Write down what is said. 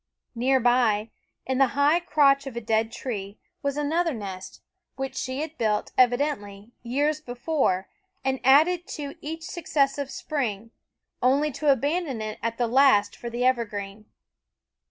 Near by, in the high crotch of a dead tree, was another nest, which she had built, evidently, years before and added to each successive spring, only to abandon it at last for the THE WOODS * evergreen.